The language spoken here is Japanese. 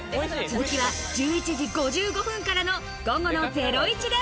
続きは１１時５５分からの午後の『ゼロイチ』で。